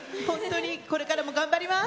これからも頑張ります。